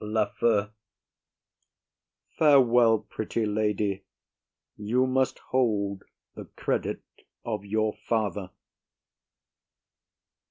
LAFEW. Farewell, pretty lady, you must hold the credit of your father.